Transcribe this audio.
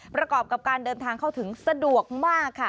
ประกอบกับการเดินทางเข้าถึงสะดวกมากค่ะ